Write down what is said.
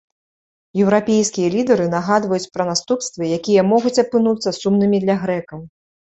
Еўрапейскія лідары нагадваюць пра наступствы, якія могуць апынуцца сумнымі для грэкаў.